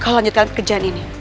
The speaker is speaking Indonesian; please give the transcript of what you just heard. kau lanjutkan pekerjaan ini